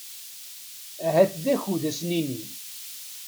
Ahat d akud ad as-nini.